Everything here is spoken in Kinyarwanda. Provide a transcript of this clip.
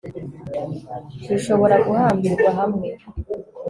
rushobora guhambirwa hamwe